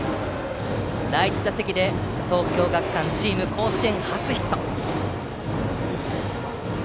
第１打席で東京学館新潟チーム甲子園初ヒット。